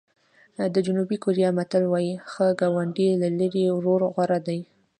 د جنوبي کوریا متل وایي ښه ګاونډی له لرې ورور غوره دی.